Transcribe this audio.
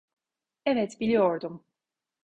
Evet, biliyordum.